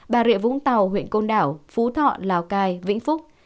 bà rịa vũng tàu huyện côn đảo phú thọ lào cai vĩnh phúc